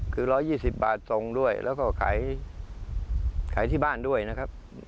คือ๑๒๐บาทส่งด้วยแล้วก็ขายที่บ้านด้วยนะครับ